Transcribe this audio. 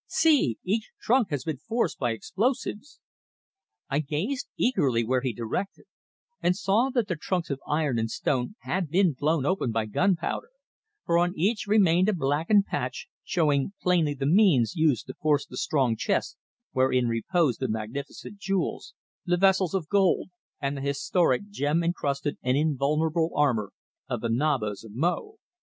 See! Each trunk has been forced by explosives!" I gazed eagerly where he directed, and saw that the trunks of iron and stone had been blown open by gunpowder, for on each remained a blackened patch, showing plainly the means used to force the strong chest wherein reposed the magnificent jewels, the vessels of gold, and the historic gem encrusted and invulnerable armour of the Nabas of Mo.